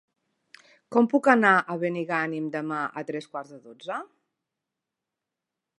Com puc anar a Benigànim demà a tres quarts de dotze?